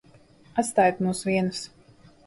Atstājiet mūs vienus.